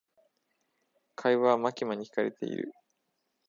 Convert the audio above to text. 会話はマキマに聞かれている。